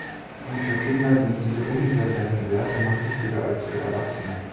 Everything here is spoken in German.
Und für Kinder sind diese universellen Werte noch wichtiger als für Erwachsene.